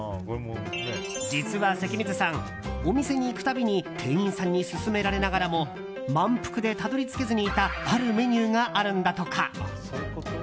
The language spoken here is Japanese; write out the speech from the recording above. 実は関水さん、お店に行く度に店員さんに勧められながらも満腹でたどり着けずにいたあるメニューがあるんだとか。